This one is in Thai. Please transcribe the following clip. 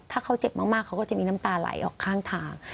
ถ้าเขาเจ็บมากเขาก็จะมีน้ำตาไหลออกข้างทาง